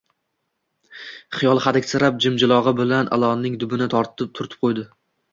Xiyol hadiksirab, jimjilog`i bilan ilonning dumini turtib qo`ydi